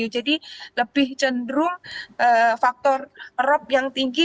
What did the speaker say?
jadi lebih cenderung faktor rop yang tinggi